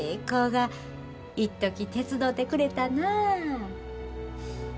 子がいっとき手伝うてくれたなあ」。